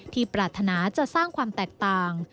ปรารถนาจะสร้างความแตกต่าง